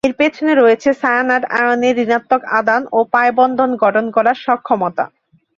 এর পেছনে রয়েছে সায়ানাইড আয়নের ঋণাত্মক আধান ও পাই বন্ধন গঠন করার সক্ষমতা।